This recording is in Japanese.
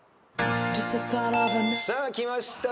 さあきました。